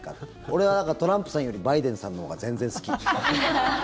俺はだからトランプさんよりバイデンさんのほうが全然好き。